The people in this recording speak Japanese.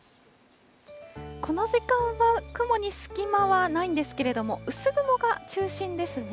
この時間は雲に隙間はないんですけれども、薄雲が中心ですね。